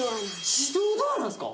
自動ドアなんすか？